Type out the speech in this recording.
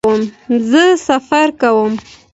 زه سفر کوم